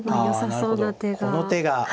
良さそうな手が。